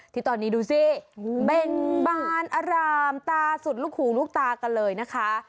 ที่ตอนนี้ดูสิเบ่งบานอร่ามตาสุดลูกหูลูกตากันเลยนะคะ